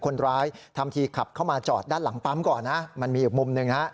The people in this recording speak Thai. คนร้ายทำทีขับเข้ามาจอดด้านหลังปั๊มก่อนนะมันมีอีกมุมหนึ่งฮะ